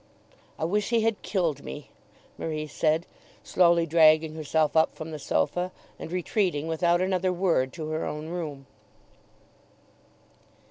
"I wish he had killed me," Marie said, slowly dragging herself up from the sofa, and retreating without another word to her own room.